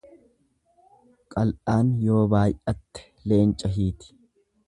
Qal'aan yoo baay'atte leenca hiiti.